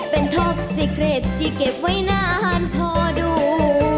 เป็นท็อปสิเกร็ดที่เก็บไว้นานพอดู